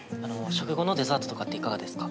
食後のデザートとかっていかがですか？